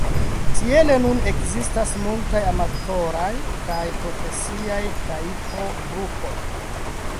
Tiele nun ekzistas multaj amatoraj kaj profesiaj Taiko-grupoj.